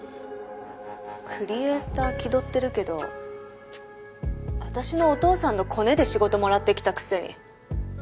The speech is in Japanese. クリエイター気取ってるけど私のお父さんのコネで仕事もらってきたくせに。